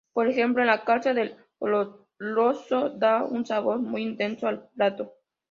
Por ejemplo en la carne al Oloroso da un sabor muy intenso al plato.